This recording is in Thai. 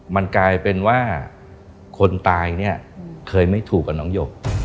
มันกลายเป็นว่าคนตายเนี่ยเคยไม่ถูกกับน้องหยก